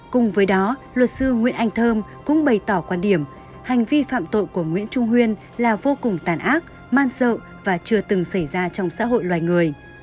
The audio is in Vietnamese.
cùng với đó luật sư nguyễn anh thơm cũng bày tỏ quan điểm hành vi phạm tội của nguyễn trung huyên là vô cùng tàn ác man sợ và chưa từng xảy ra trong xã hội loài người